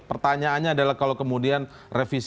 pertanyaannya adalah kalau kemudian revisi